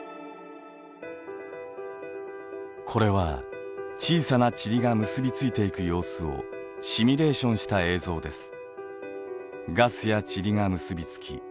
これは小さな塵が結びついていく様子をシミュレーションした映像です。